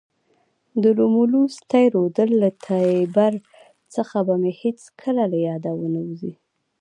د رومولوس تی رودل له تیبر څخه به مې هیڅکله له یاده ونه وزي.